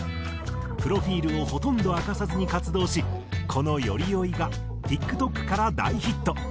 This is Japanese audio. プロフィールをほとんど明かさずに活動しこの『寄り酔い』がＴｉｋＴｏｋから大ヒット。